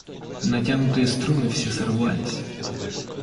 Натянутые струны все сорвались.